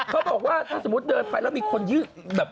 เขาบอกว่าถ้าสมมุติเดินไปแล้วมีคนยืดแบบ